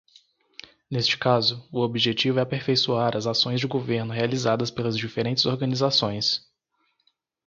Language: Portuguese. Neste caso, o objetivo é aperfeiçoar as ações de governo realizadas pelas diferentes organizações.